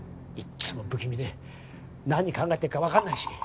いつも不気味で何考えてるかわかんないし。